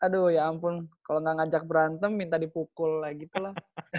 aduh ya ampun kalau nggak ngajak berantem minta dipukul lah gitu lah